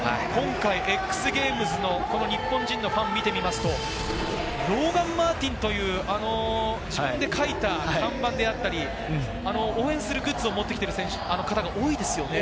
今回ＸＧａｍｅｓの日本人のファンを見ると、ローガン・マーティンという自分で書いた看板だったり、応援するグッズを持って来ている方が多いですね。